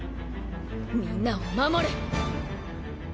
みんなを守る。